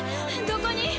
どこに？